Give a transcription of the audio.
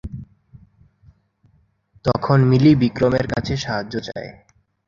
তখন মিলি বিক্রমের কাছে সাহায্য চায়।